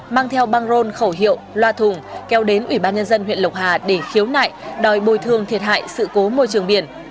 mang theo băng rôn khẩu hiệu loa thùng kéo đến ủy ban nhân dân huyện lộc hà để khiếu nại đòi bồi thương thiệt hại sự cố môi trường biển